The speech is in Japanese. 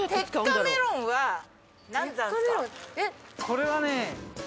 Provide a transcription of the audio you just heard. これはね。